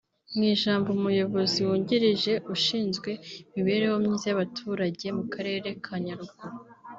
Mu ijambo umuyobozi wungirije ushinzwe imibereho myiza y’abaturage mu karere ka Nyaruguru